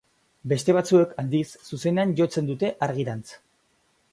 Beste batzuek, aldiz, zuzenean jotzen dute argirantz.